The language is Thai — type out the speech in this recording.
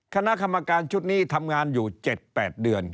คณะกรรมการชุดนี้ทำงานอยู่๗๘เดือน